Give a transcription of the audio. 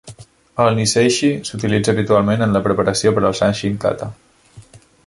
El "niseishi" s'utilitza habitualment en la preparació per al "sanchin kata".